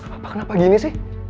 apa kenapa gini sih